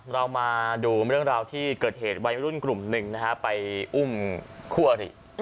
เรามาดูเรื่องราวที่เกิดเหตุวัยรุ่นกลุ่มหนึ่งนะฮะไปอุ้มคู่อริ